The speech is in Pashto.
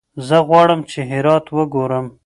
زه غواړم چې هرات وګورم.